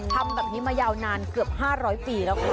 ทำแบบนี้มายาวนานเกือบ๕๐๐ปีแล้วค่ะ